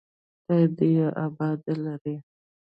خداى دې يې اباد لري.